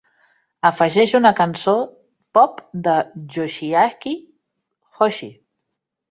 Afegeix una cançó pop de Yoshiaki Hoshi